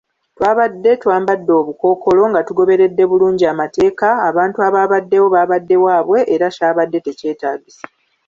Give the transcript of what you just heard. Twabadde twambadde obukookolo nga tugoberedde bulungi amateeka, abantu abaabaddewo baabadde waabwe, era kyabadde tekyetaagisa.